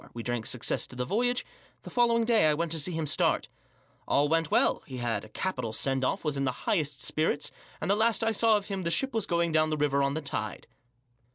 We drank success to the voyage. The following day I went to see him start. All went well ; he had a capital send off ; was in the highest spirits ; and the last I saw of him the ship was going down the river on the tide.